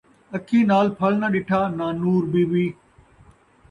اکھیں نال پھل نہ ݙٹھا ناں نور بی بی